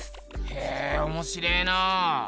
へえおもしれえな。